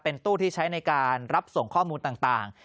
ตู้ที่ใช้ในการรับส่งข้อมูลต่าง